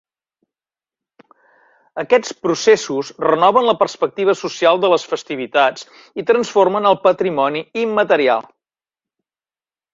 Aquests processos renoven la perspectiva social de les festivitats i transformen el patrimoni immaterial.